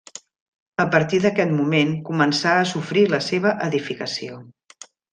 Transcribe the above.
A partir d'aquest moment començà a sofrir la seva edificació.